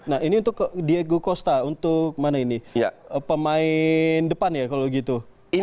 nah ini untuk diego costa untuk pemain depan ya kalau begitu